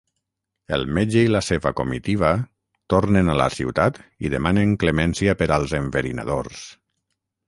El metge i la seva comitiva tornen a la ciutat i demanen clemència per als enverinadors.